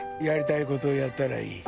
やりたいことやったらいい。